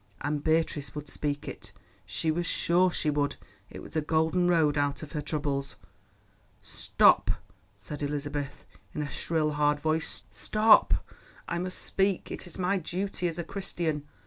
And Beatrice would speak it; she was sure she would. It was a golden road out of her troubles. "Stop!" said Elizabeth in a shrill, hard voice. "Stop! I must speak; it is my duty as a Christian.